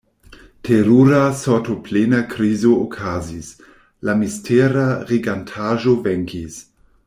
Terura, sortoplena krizo okazis: la mistera regantaĵo venkis.